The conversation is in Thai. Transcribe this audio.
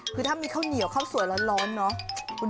คือถ้ามีข้าวเหนียวข้าวสวยร้อนเนาะ